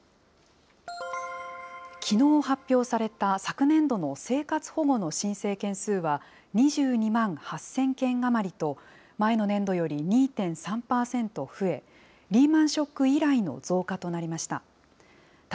きのう発表された昨年度の生活保護の申請件数は、２２万８０００件余りと、前の年度より２．３％増え、リーマンショック以来の増加となりました。